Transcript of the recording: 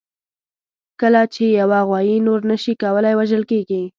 کله چې یوه غویي نور نه شي کولای، وژل کېږي.